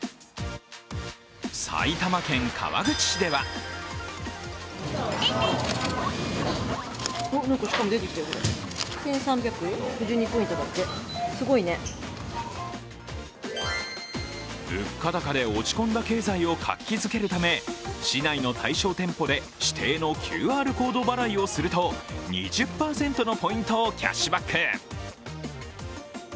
埼玉県川口市では物価高で落ち込んだ経済を活気づけるため市内の対象店舗で指定のＱＲコード払いをすると２０％のポイントをキャッシュバック。